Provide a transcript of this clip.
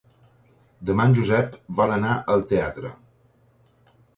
Demà en Josep vol anar al teatre.